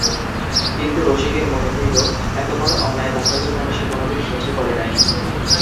কিন্তু রসিকের মনে হইল এতবড়ো অন্যায় তাহার জীবনে সে কোনোদিন সহ্য করে নাই।